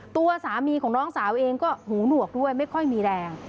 ตัวสามีของน้องสาวเองก็หูหนวกด้วยไม่ค่อยมีแรง